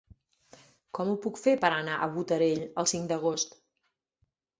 Com ho puc fer per anar a Botarell el cinc d'agost?